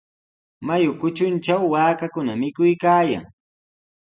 Mayu kutruntraw waakakuna mikuykaayan.